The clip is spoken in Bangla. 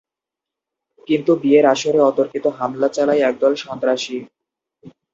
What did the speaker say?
কিন্তু বিয়ের আসরে অতর্কিত হামলা চালায় একদল সন্ত্রাসী।